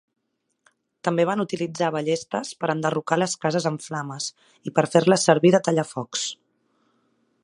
També van utilitzar ballestes per enderrocar les cases en flames i per fer-les servir de tallafocs.